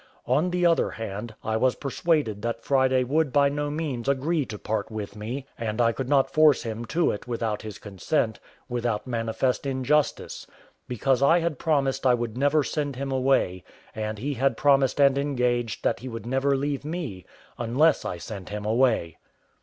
On the other hand, I was persuaded that Friday would by no means agree to part with me; and I could not force him to it without his consent, without manifest injustice; because I had promised I would never send him away, and he had promised and engaged that he would never leave me, unless I sent him away.